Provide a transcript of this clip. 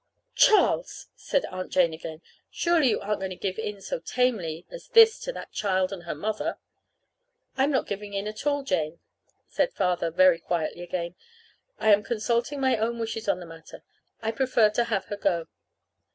"Charles!" said Aunt Jane again. "Surely you aren't going to give in so tamely as this to that child and her mother!" "I'm not giving in at all, Jane," said Father, very quietly again. "I am consulting my own wishes in the matter. I prefer to have her go."